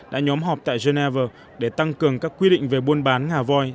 đã nhóm họp tại geneva để tăng cường các quy định về buôn bán ngà voi